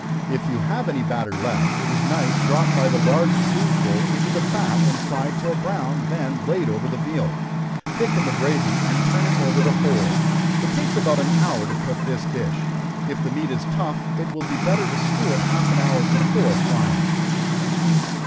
If you have any batter left, it is nice dropped by the large spoonful into the fat, and fried till brown, then laid over the veal. Thicken the gravy and turn it over the whole. It takes about an hour to cook this dish. If the meat is tough, it will be better to stew it half an hour before frying it.